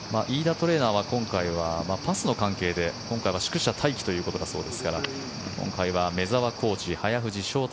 トレーナーは今回はパスの関係で、今回は宿舎待機ということですから今回は目澤コーチ早藤将太